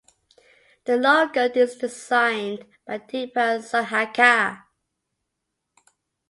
The Logo is designed by Deepak Sudhakar.